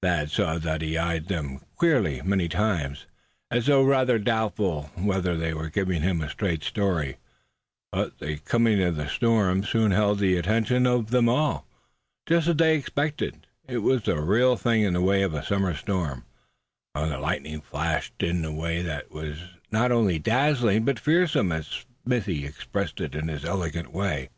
Thad saw that he eyed them queerly many times, as though rather doubtful whether they were giving him a straight story; but the coming of the storm soon held the attention of them all. Just as they had expected, it was the real thing in the way of a summer storm. The lightning flashed in a way that was not only dazzling but "fearsome" as Smithy expressed it, in his elegant way.